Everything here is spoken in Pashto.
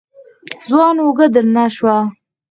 ځوان اوږه درنه شوه.